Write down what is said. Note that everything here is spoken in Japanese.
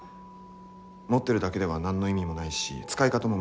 持ってるだけでは何の意味もないし使い方も難しい。